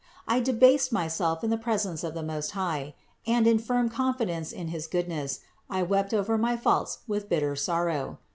I debased myself in the presence of the Most High and, in firm confidence in his goodness, I wept over my faults with bitter sorrow.